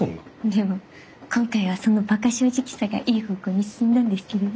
でも今回はそのバカ正直さがいい方向に進んだんですけどね。